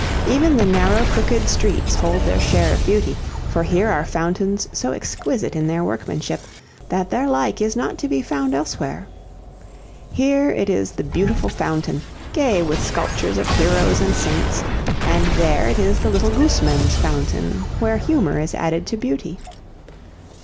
Even the narrow crooked streets hold their share of beauty, for here are fountains so exquisite in their workmanship that their like is not to be found elsewhere. Here it is the Beautiful Fountain, gay with sculptures of heroes and saints, and there it is the Little Gooseman's Fountain where humor is added to beauty.